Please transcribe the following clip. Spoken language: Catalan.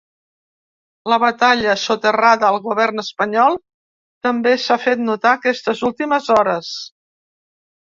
La batalla soterrada al govern espanyol també s’ha fet notar aquestes últimes hores.